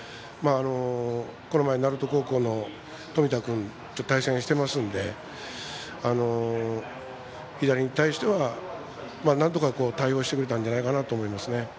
この前、鳴門高校の冨田君と対戦してますので左に対しては、なんとか対応してくれたんじゃないかと思います。